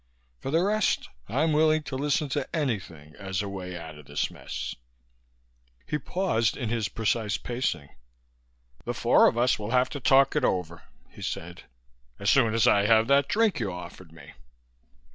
For the rest, I'm willing to listen to anything as a way out of this mess." He paused in his precise pacing. "The four of us will have to talk it over," he said, "as soon as I have that drink you offered me."